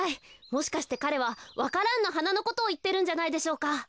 もしかしてかれはわか蘭のはなのことをいってるんじゃないでしょうか。